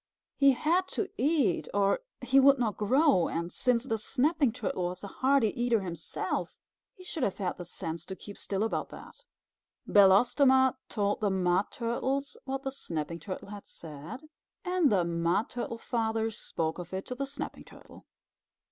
He had to eat, or he would not grow, and since the Snapping Turtle was a hearty eater himself, he should have had the sense to keep still about that. Belostoma told the Mud Turtles what the Snapping Turtle had said, and the Mud Turtle Father spoke of it to the Snapping Turtle.